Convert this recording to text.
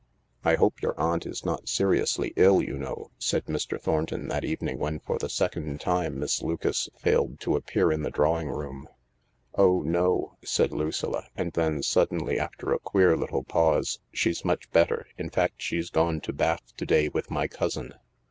" I hope your aunt is not seriously ill, you know," said Mr. Thornton that evening, when for the second time Miss Lucas failed to appear in the drawing room, 1 ' Oh no," said Lucilla, and then suddenly, after a queer little pause :" She's much better. In fact she's gone to Bath to day with my cousin."